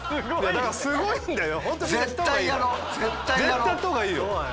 だからすごいんだよ。